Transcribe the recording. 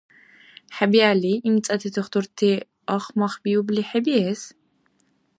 ХӀебиалли, имцӀати тухтурти ахмахбиубли хӀебиэс?